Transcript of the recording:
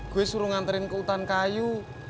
gue suruh nganterin ke hutan kayu